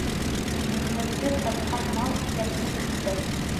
Михнәтһеҙ тапҡан мал иҫәпһеҙ китер.